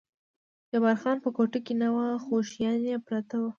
جبار خان په کوټه کې نه و، خو شیان یې پراته و.